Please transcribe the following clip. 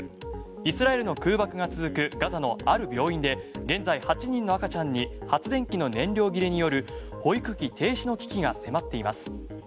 イスラエルの空爆が続くガザのある病院で現在８人の赤ちゃんに発電機の燃料切れによる保育器停止の危機が迫っています。